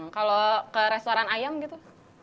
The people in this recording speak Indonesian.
kalau ke restoran ayam gitu